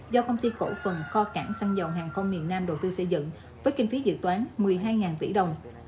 do công ty cổ phần kho cảng xăng dầu hàng không miền nam đầu tư xây dựng với kinh phí dự toán một mươi hai tỷ đồng